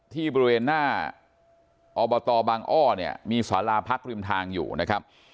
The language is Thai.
ที่บริเวณหน้าอบตบางอ้อเนี่ยมีสาราพักริมทางอยู่นะครับ